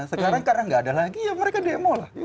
sekarang karena nggak ada lagi ya mereka demo lah